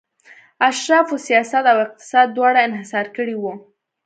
اشرافو سیاست او اقتصاد دواړه انحصار کړي وو.